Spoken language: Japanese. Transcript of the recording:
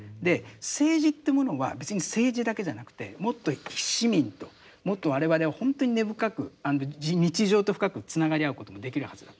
政治というものは別に政治だけじゃなくてもっと市民ともっと我々はほんとに根深く日常と深くつながり合うこともできるはずだ。